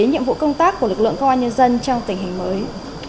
nhiệm vụ công tác của lực lượng công an nhân dân trong tình hình mới